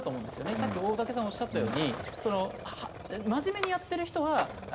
さっき大竹さんがおっしゃったように真面目にやってる人は足りない。